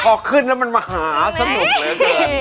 พอขึ้นแล้วมันมหาสนุกเหลือเกิน